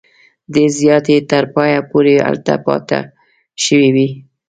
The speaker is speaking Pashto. ډېر زیات یې تر پایه پورې هلته پاته شوي وي.